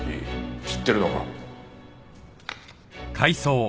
知ってるのか？